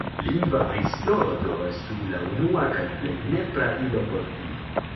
Lingva prisploro do estu la unua kaj plej nepra ilo por tio.